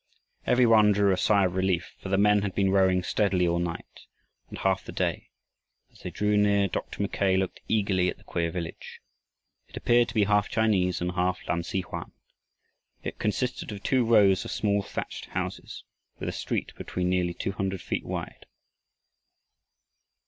Every one drew a sigh of relief, for the men had been rowing steadily all night and half the day. As they drew near Dr. Mackay looked eagerly at the queer village. It appeared to be half Chinese and half Lam si hoan. It consisted of two rows of small thatched houses with a street between nearly two hundred feet wide.